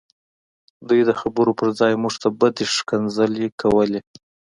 دوی د خبرو پرځای موږ ته بدې کنځلې کولې